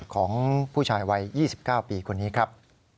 ของผู้ชายวัย๒๙ปีคนนี้ครับ